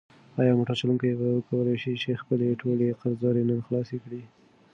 ایا موټر چلونکی به وکولی شي چې خپلې ټولې قرضدارۍ نن خلاصې کړي؟